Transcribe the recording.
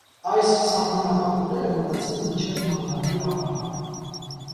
Այս սահմանափակումները մնացին մինչև մանդատի ավարտը։